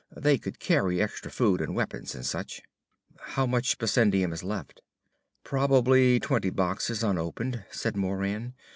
They could carry extra food and weapons and such." "How much bessendium is left?" "Probably twenty boxes unopened," said Moran.